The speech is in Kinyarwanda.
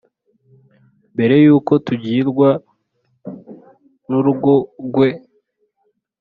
Mbere ko tugwirwa n'urugogwe